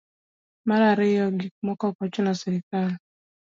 mar ariyo gik moko ok ochuno srikal